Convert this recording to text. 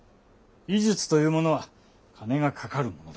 医術というものは金がかかるものだ。